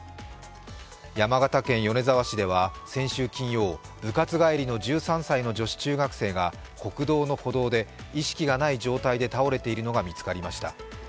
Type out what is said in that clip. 山形県米沢市では先週金曜、部活帰りの１３歳の女子中学生が国道の歩道で意識がない状態で倒れているのが見つかりました。